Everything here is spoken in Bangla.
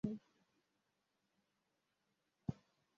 কী আপসোস আজ শশীর মনে, কী আত্মধিক্কার কারো তো বুঝিবার নয়।